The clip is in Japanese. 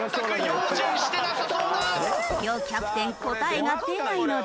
両キャプテン答えが出ないので。